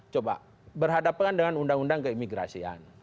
coba berhadapan dengan undang undang keimigrasian